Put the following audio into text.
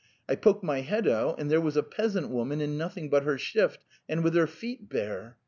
I poke my head out, and there was a peasant woman in noth ing but her shift and with her feet bare.